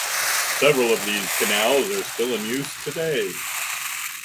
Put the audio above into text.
Several of these canals are still in use today.